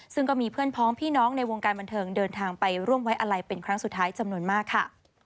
ซึ่งก็มีเพื่อนพ้องพี่น้องในวงการบันเทิงเดินทางไปร่วมไว้อะไรเป็นครั้งสุดท้ายจำนวนมากค่ะ